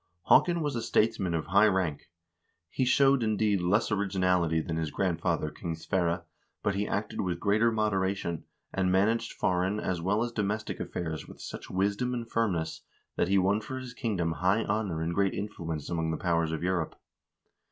Haakon was a statesman of high rank. He showed, indeed, less originality than his grandfather, King Sverre, but he acted with greater moderation, and managed foreign as well as domestic affairs with such wisdom and firmness that he won for his kingdom high honor and great influence among the powers of Europe.